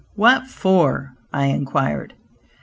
"What for?" I inquired.